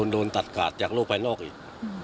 โดนตัดขาดจากโลกภายนอกอีก